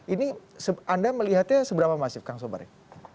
ini anda melihatnya seberapa mas yief kang sobaret